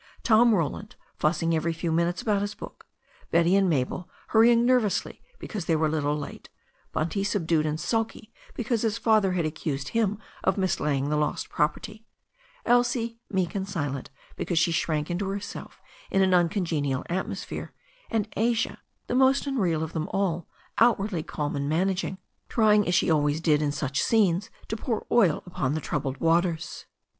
Tom Roland fussing every few minutes about his book, Betty and Mabel hurrying nervously because they were a little late, Bunty subdued and sulky because his father had accused him of mislaying the lost property, Elsie meek and silent because she shrank into herself in an xmcongenial atmosphere, and Asia, the most unreal of them all, outwardly calm and managing, trying as she always did in such scenes to pour oil upon the troubled waters.